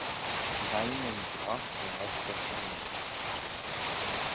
Veih nyn drogh raad dy hea.